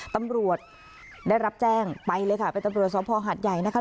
ตำรวจได้รับแจ้งไปเลยค่ะเป็นตำรวจสภหัดใหญ่นะคะ